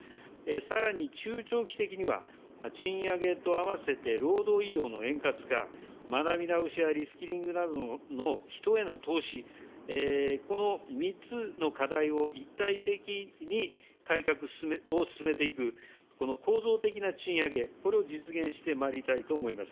さらに、中長期的には、賃上げと合わせて労働移動の円滑化、学び直しやリスキリングなどの人への投資、この３つの課題を一体的に改革を進めていく、この構造的な賃上げ、これを実現してまいりたいと思います。